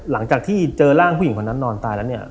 หลังจากที่เจอร่างผู้หญิงคนนั้นนอนตายแล้วเนี่ย